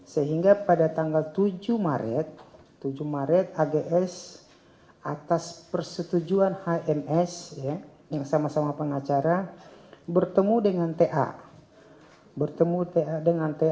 sehingga pada tanggal tujuh maret ags atas persetujuan hms yang sama sama pengacara bertemu dengan ta